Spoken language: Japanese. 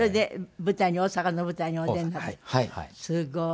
すごい。